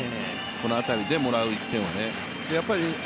この辺りでもらう１点はね。